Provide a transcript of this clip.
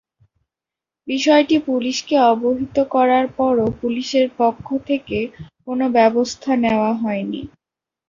বিষয়টি পুলিশকে অবহিত করার পরও পুলিশের পক্ষ থেকে কোনো ব্যবস্থা নেওয়া হয়নি।